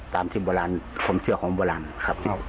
ตามที่โบราณความเชื่อของโบราณครับ